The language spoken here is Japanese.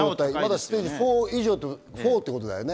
ステージ４ということだよね。